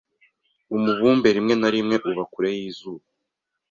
umubumbe rimwe na rimwe uba kure yizuba